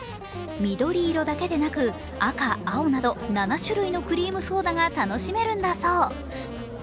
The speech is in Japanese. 緑色だけでなく、赤、青など７種類のクリームソーダが楽しめるんだそう。